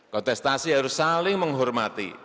kontestasi harus saling menghormati